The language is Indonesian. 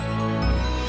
bu cuci baik baik bu